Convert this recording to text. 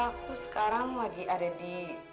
aku sekarang lagi ada di